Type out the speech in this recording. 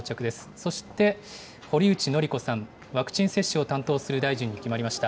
そして、堀内詔子さん、ワクチン接種を担当する大臣に決まりました。